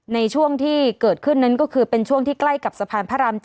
ในช่วงที่เกิดขึ้นนั้นก็คือเป็นช่วงที่ใกล้กับสะพานพระราม๗